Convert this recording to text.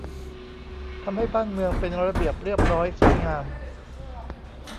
ทำให้บ้านเมืองเป็นระเบียบเรียบร้อย สวยงาม